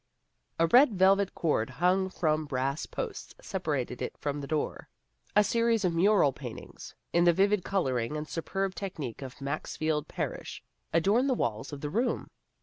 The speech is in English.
A red velvet cord hung from brass posts separated it from the open floor. A series of mural paintings, in the vivid coloring and superb technique of Maxfield Parrish, adorned the walls of the room.